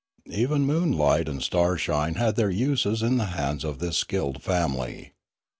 Even moonlight and starshine had their uses in the hands of this skilled family.